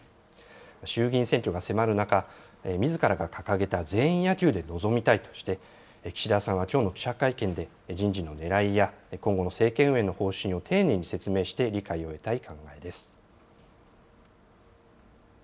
衆議院選挙が迫る中、みずからが掲げた全員野球で臨みたいとして、岸田さんはきょうの記者会見で、人事のねらいや今後の政権運営の方針を丁寧に説明して理解を得たい考えです。